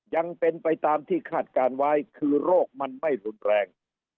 ยังเป็นไปตามที่คาดการณ์ไว้คือโรคมันไม่รุนแรง